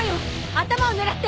頭を狙って！